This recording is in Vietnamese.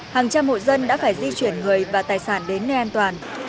hàng trăm hộ dân đã phải di chuyển người và tài sản đến nơi an toàn